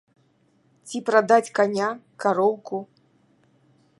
Ці прадаць каня, кароўку?